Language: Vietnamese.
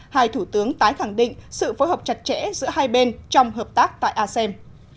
hai thủ tướng tái khẳng định sự phối hợp chặt chẽ giữa hai bên trong hợp tác tại asem